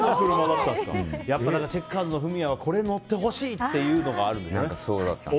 やっぱりチェッカーズのフミヤはこれに乗ってほしいっていうのがあるんだね。